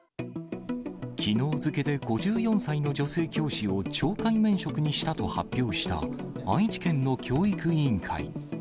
きのう付けで５４歳の女性教師を懲戒免職にしたと発表した、愛知県の教育委員会。